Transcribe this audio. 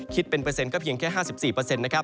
คิดเป็นเปอร์เซ็นต์ก็เพียงแค่๕๔